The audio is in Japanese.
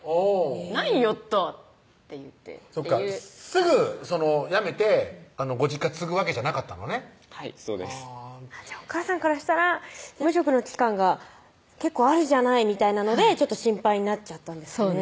「何言いよっと」って言ってそっかすぐ辞めてご実家継ぐわけじゃなかったのねはいそうですお母さんからしたら無職の期間が結構あるじゃないみたいなのでちょっと心配になっちゃったんですかね